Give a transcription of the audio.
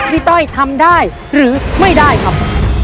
ต้อยทำได้หรือไม่ได้ครับ